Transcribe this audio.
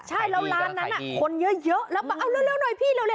ใช่แล้วร้านนั้นคนเยอะแล้วก็เอาเร็วหน่อยพี่เร็ว